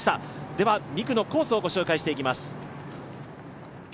では２区のコースをご紹介していきます。